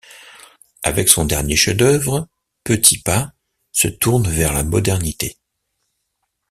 Avec son dernier chef-d'œuvre, Petipa se tourne vers la modernité.